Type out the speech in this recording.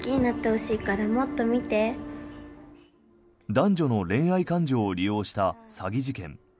男女の恋愛感情を利用した詐欺事件。